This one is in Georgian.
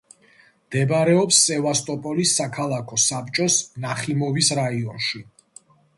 მდებარეობს სევასტოპოლის საქალაქო საბჭოს ნახიმოვის რაიონში.